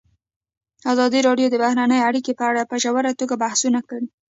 ازادي راډیو د بهرنۍ اړیکې په اړه په ژوره توګه بحثونه کړي.